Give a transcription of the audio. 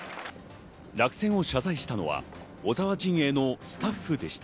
落選を謝罪したのは小沢陣営のスタッフでした。